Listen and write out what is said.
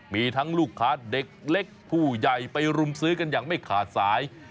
มีทั้งลูกค้าเด็กเล็กผู้ใหญ่ไปรุมซื้อกันอย่างไม่ขาดสาย